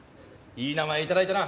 いい名前頂いたな。